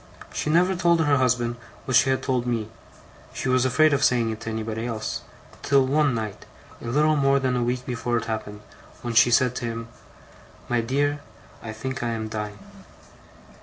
She never told her husband what she had told me she was afraid of saying it to anybody else till one night, a little more than a week before it happened, when she said to him: "My dear, I think I am dying."